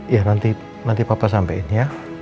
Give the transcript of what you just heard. ya nanti papa sampaikan ya